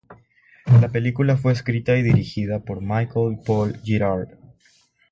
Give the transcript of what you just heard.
La película fue escrita y dirigida por Michael Paul Girard.